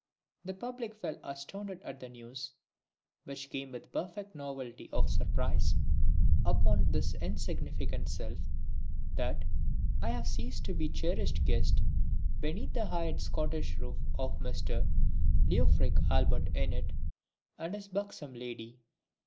_ The Public will be astounded at the news (which came with the perfect novelty of a surprise upon this insignificant self) that I have ceased to be the cherished guest beneath the hired Scottish roof of Mister LEOFRIC ALLBUTT INNETT and his bucksome lady.